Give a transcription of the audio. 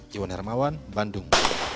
jiwon hermawan bandung